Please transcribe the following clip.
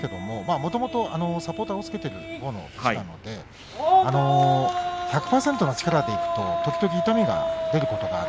もともとサポーターをつけているので１００％の力でいくと時々痛みが出てくることがある。